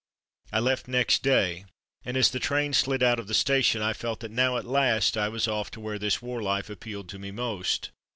I left next day, and as the train slid out of the station I felt that now at last I was off to where this war life appealed to me most.